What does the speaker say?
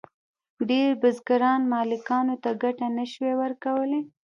ځینې بزګران مالکانو ته ګټه نشوای ورکولی.